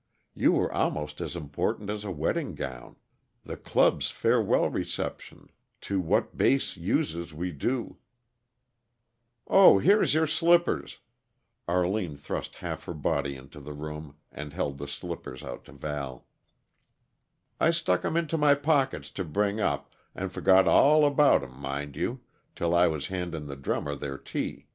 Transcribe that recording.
"You were almost as important as a wedding gown; the club's farewell reception 'To what base uses we do '" "Oh, here's your slippers!" Arline thrust half her body into the room and held the slippers out to Val. "I stuck 'em into my pockets to bring up, and forgot all about 'em, mind you, till I was handin' the drummers their tea.